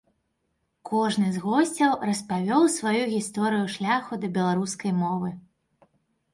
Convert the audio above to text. Кожны з госцяў распавёў сваю гісторыю шляху да беларускай мовы.